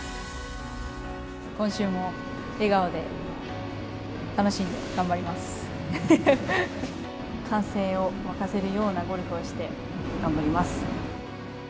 今週も笑顔で楽しんで頑張り歓声をわかせるようなゴルフをして、頑張ります。